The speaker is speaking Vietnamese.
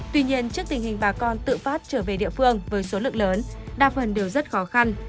tuy nhiên trước tình hình bà con tự phát trở về địa phương với số lượng lớn đa phần đều rất khó khăn